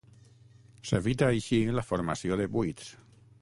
S'evita així la formació de buits.